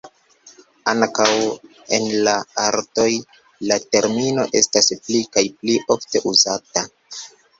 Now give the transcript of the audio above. Ankaŭ en la artoj, la termino estas pli kaj pli ofte uzata.